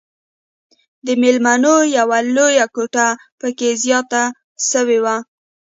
د ميلمنو يوه لويه کوټه پکښې زياته سوې وه.